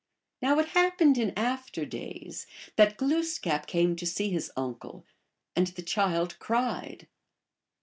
Now it happened in after days that Glooskap came to see his uncle, and the child cried.